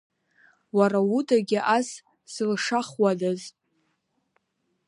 Уара удагьы ас зылшахуадаз!